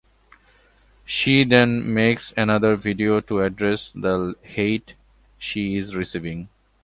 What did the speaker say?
She then makes another video to address the hate she is receiving.